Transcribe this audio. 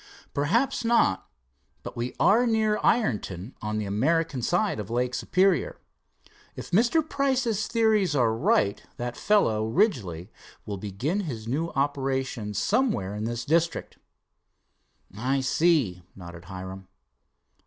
"Perhaps not, but we are near Ironton, on the American side of Lake Superior. If Mr. Price's theories are all right, that fellow, Ridgely, will begin his new operations somewhere in this district." "I see," nodded Hiram.